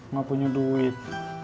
gak punya duit